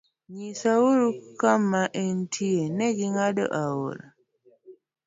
Nyisa uru kuma entie negi ng'ado aora.